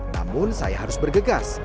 namun saya harus bergegas